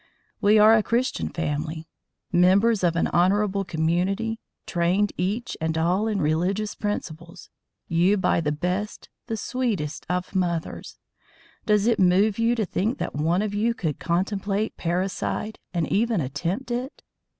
We are a Christian family, members of an honourable community, trained each and all in religious principles, you, by the best, the sweetest of mothers does it move you to think that one of you could contemplate parricide and even attempt it?